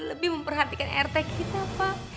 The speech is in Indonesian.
lebih memperhatikan rt kita pak